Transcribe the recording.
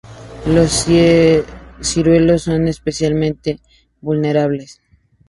Los ciruelos son especialmente vulnerables.